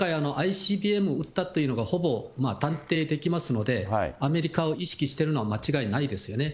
今回、ＩＣＢＭ撃ったっていうのが、ほぼ断定できますので、アメリカを意識しているのは間違いないですよね。